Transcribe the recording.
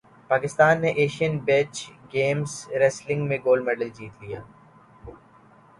پاکستان نےایشئین beach games wrestling میں gold medal جیت لیا